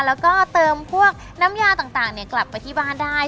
แล้วก็เติมพวกน้ำยาต่างกลับไปที่บ้านได้